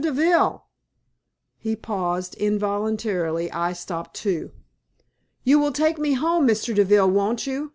Deville!" He paused. Involuntarily I stopped too. "You will take me home, Mr. Deville, won't you?"